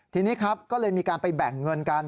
ทีนี้ครับก็เลยมีการไปแบ่งเงินกัน